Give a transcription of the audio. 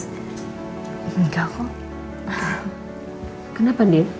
enggak kok kenapa di